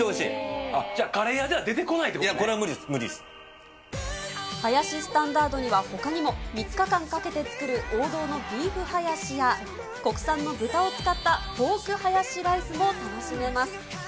じゃあ、カレー屋じゃ出てこいや、これは無理です、ハヤシスタンダードにはほかにも、３日間かけて作る王道のビーフハヤシや、国産の豚を使ったポークハヤシライスも楽しめます。